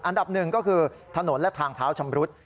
อันดับหนึ่งก็คือถนนและทางเท้าชำรุด